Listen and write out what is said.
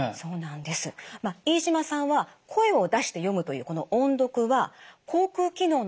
飯島さんは声を出して読むというこの音読は口くう